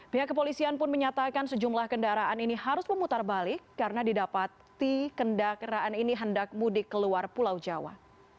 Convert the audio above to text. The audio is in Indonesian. pihak kepolisian pun menyatakan sejumlah kendaraan ini harus memutar balik karena didapati kendaraan ini hendak mudik keluar pulau jawa